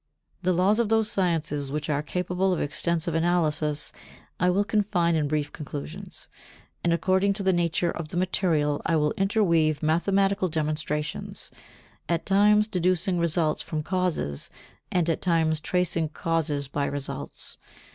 The laws of those sciences which are capable of extensive analysis I will confine in brief conclusions, and according to the nature of the material I will interweave mathematical demonstrations, at times deducing results from causes, and at times tracing causes by results.